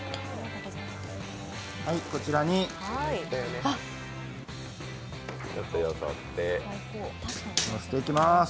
こちらにのせていきます。